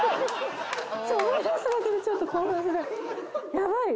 ヤバい。